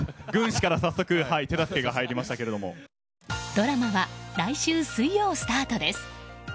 ドラマは来週水曜スタートです。